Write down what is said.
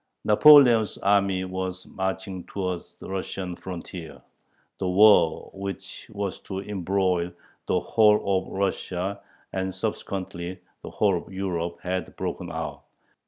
Napoleon's army was marching towards the Russian frontier. The war which was to embroil the whole of Russia and subsequently the whole of Europe had broken out.